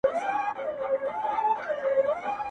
لټي د گناه مور ده.